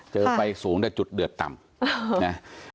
เจอไฟสูงแต่จุดเดือดต่ำนะ